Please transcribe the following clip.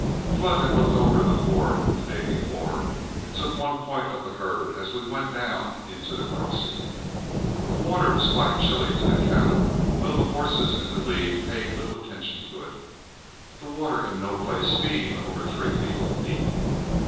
Flood had looked over the ford the day before, and took one point of the herd as we went down into the crossing. The water was quite chilly to the cattle, though the horses in the lead paid little attention to it, the water in no place being over three feet deep.